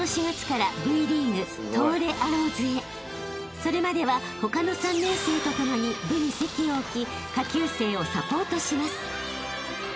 ［それまでは他の３年生とともに部に籍を置き下級生をサポートします］